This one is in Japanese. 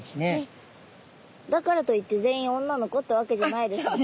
だからといって全員女の子ってわけじゃないですよね？